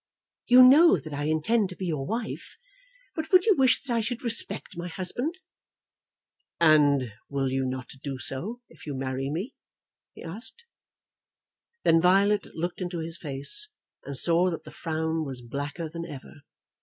"You know that I intend to be your wife; but would you wish that I should respect my husband?" "And will you not do so if you marry me?" he asked. Then Violet looked into his face and saw that the frown was blacker than ever.